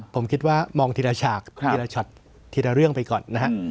ผมคิดว่ามองทีละฉากทีละช็อตทีละเรื่องไปก่อนนะฮะ